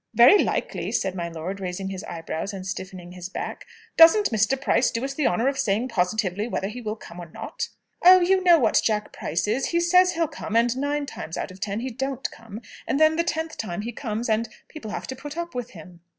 "Very likely?" said my lord, raising his eyebrows and stiffening his back. "Doesn't Mr. Price do us the honour of saying positively whether he will come or not?" "Oh, you know what Jack Price is. He says he'll come, and nine times out of ten he don't come; and then the tenth time he comes, and people have to put up with him."